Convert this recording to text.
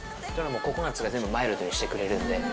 ココナツが全部マイルドにしてくれるんで。